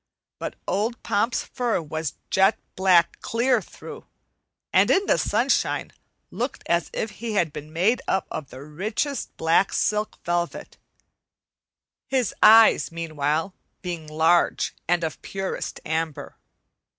But old Pomp's fur was jet black clear through, and in the sunshine looked as if he had been made up of the richest black silk velvet, his eyes, meanwhile, being large and of the purest amber.